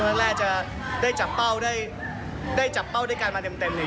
ด้านแรกจะได้จับเป้าได้ได้จับเป้าด้วยการมาเต็มเต็มเนี่ย